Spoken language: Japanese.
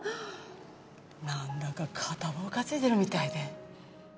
なんだか片棒担いでるみたいで。